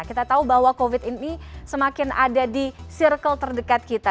kita tahu bahwa covid ini semakin ada di circle terdekat kita